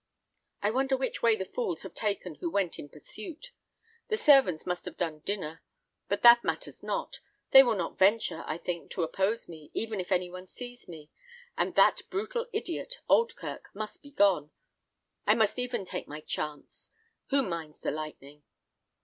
I wonder which way the fools have taken who went in pursuit. The servants must have done dinner. But that matters not; they will not venture, I think, to oppose me, even if any one sees me; and that brutal idiot, Oldkirk, must be gone. I must even take my chance. Who minds the lightning?"